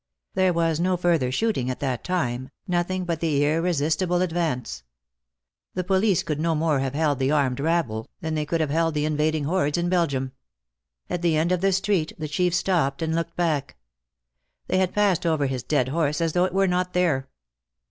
There was no further shooting at that time, nothing but the irresistible advance. The police could no more have held the armed rabble than they could have held the invading hordes in Belgium. At the end of the street the Chief stopped and looked back. They had passed over his dead horse as though it were not there.